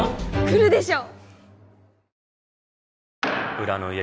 くるでしょ！